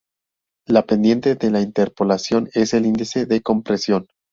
La pendiente de la interpolación es el índice de compresión.